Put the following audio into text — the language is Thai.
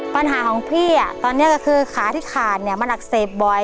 ปัญหาของพี่ตอนนี้ก็คือขาที่ขาดเนี่ยมันอักเสบบ่อย